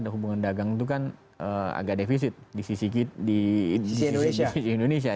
ada hubungan dagang itu kan agak defisit di sisi indonesia